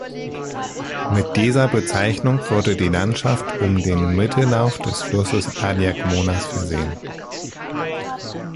Mit dieser Bezeichnung wurde die Landschaft um den Mittellauf des Flusses Aliakmonas versehen.